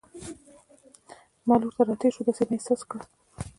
زما لور ته را تېر شو، داسې مې احساس کړل.